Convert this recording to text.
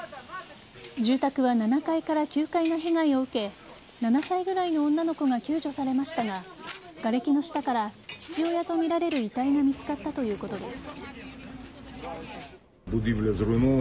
住宅は７階から９階が被害を受け７歳ぐらいの女の子が救助されましたががれきの下から父親とみられる遺体が見つかったということです。